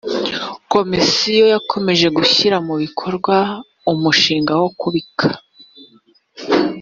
komisiyo yakomeje gushyira mu bikorwa umushinga wo kubika